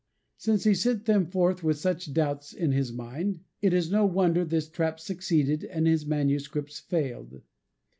Since he sent them forth with such doubts in his mind, it is no wonder his trap succeeded and his manuscripts failed.